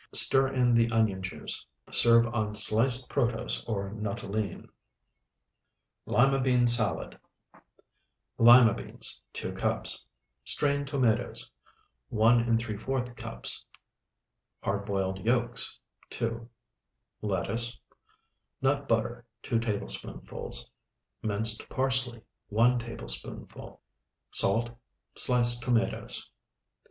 Stir in the onion juice. Serve on sliced protose or nuttolene. LIMA BEAN SALAD Lima beans, 2 cups. Strained tomatoes, 1¾ cups. Hard boiled yolks, 2. Lettuce. Nut butter, 2 tablespoonfuls. Minced parsley, 1 tablespoonful. Salt. Sliced tomatoes.